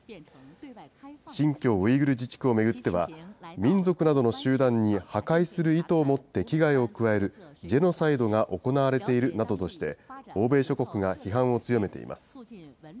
新疆ウイグル自治区を巡っては、民族などの集団に破壊する意図をもって危害を加えるジェノサイドが行われているなどとして、欧米諸国が批判を強めています。